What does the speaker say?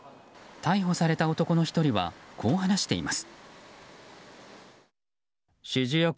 逮捕された男の１人はこう話しています。